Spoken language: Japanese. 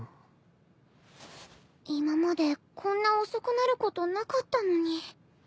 今までこんな遅くなることなかったのに。